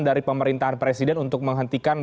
dari pemerintahan presiden untuk menghentikan